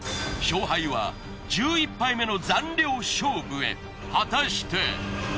勝敗は１１杯目の残量勝負へ果たして。